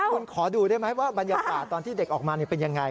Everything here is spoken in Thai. คุณขอดูได้ไหมว่าบรรยากาศตอนที่เด็กออกมาเป็นยังไง